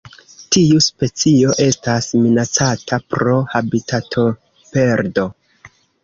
Tiu specio estas minacata pro habitatoperdo.